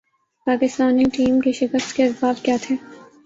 Pakistani team کے شکست کے اسباب کیا تھے ۔